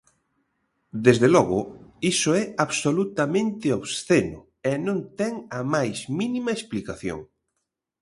Desde logo, iso é absolutamente obsceno e non ten a máis mínima explicación.